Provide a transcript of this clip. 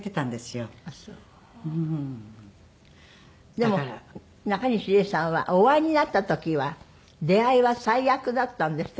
でもなかにし礼さんはお会いになった時は出会いは最悪だったんですって？